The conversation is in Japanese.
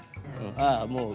あっもうね。